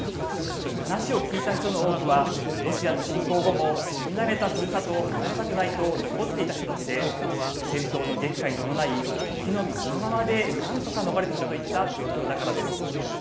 話を聞いた人の多くはロシアの侵攻後も住み慣れたふるさとを離れたくないと残っていた人たちで戦闘の激化に伴い着のみ着のままで何とか逃れてきたといった状況だからです。